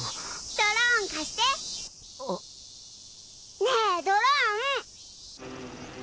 ドローン貸してあねえドローン！